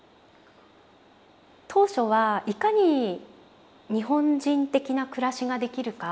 当初はいかに日本人的な暮らしができるか。